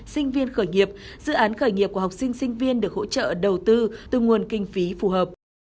sinh viên khởi nghiệp dự án khởi nghiệp của học sinh sinh viên được hỗ trợ đầu tư từ nguồn kinh phí phù hợp